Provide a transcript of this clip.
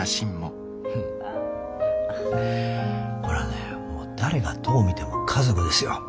これはね誰がどう見ても家族ですよ。